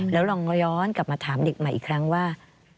แล้วลองย้อนกลับมาถามเด็กใหม่อีกครั้งว่า